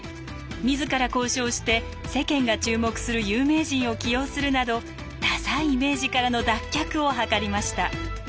みずから交渉して世間が注目する有名人を起用するなどダサいイメージからの脱却を図りました。